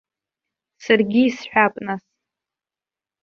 Саргьы исҳәап нас.